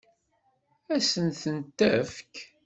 Ad s-tent-tefk?